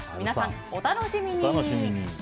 皆さんお楽しみに！